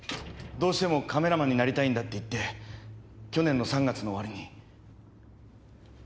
どうしてもカメラマンになりたいんだって言って去年の３月の終わりに。